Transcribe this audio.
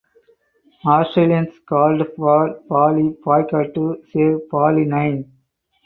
Australians called for Bali boycott to save Bali Nine.